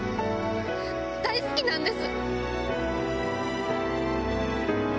大好きなんです。